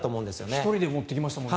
１人で持っていきましたもんね。